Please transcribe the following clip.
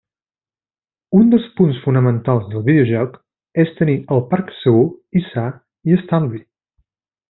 Un dels punts fonamentals del videojoc és tenir el parc segur i sa i estalvi.